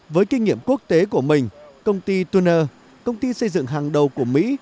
với kinh nghiệm quốc tế của mình công ty tuna công ty xây dựng hàng đầu của mỹ